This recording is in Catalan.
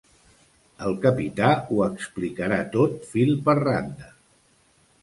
El capità ho explicarà tot fil per randa.